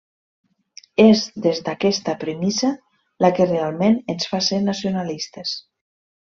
És des d'aquesta premissa, la que realment ens fa ser nacionalistes.